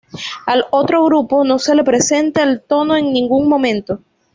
Al otro grupo no se le presenta el tono en ningún momento.